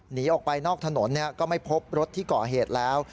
หนีออกไปนอกถนนก็ไม่พบรถที่ก่อเหตุแล้ว